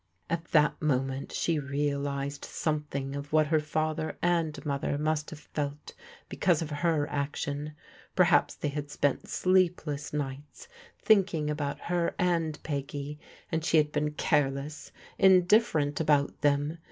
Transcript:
At that moment she realized something of what her father and mother must have felt because of her action. Perhaps they had spent sleepless nights thinking about her and Peggy, and she had been careless, indifferent about them.